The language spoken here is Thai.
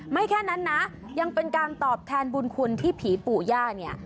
แค่นั้นนะยังเป็นการตอบแทนบุญคุณที่ผีปู่ย่าเนี่ย